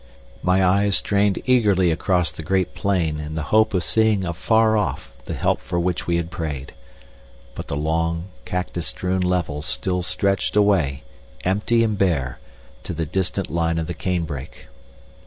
My eyes strained eagerly across the great plain in the hope of seeing afar off the help for which we had prayed. But the long cactus strewn levels still stretched away, empty and bare, to the distant line of the cane brake.